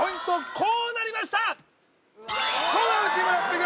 こうなりました！